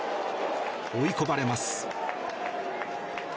追い込まれます。